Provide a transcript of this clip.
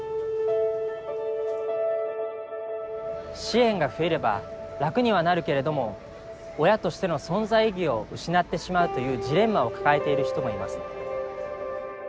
支援が増えれば楽にはなるけれども親としての存在意義を失ってしまうというジレンマを抱えている人もいます。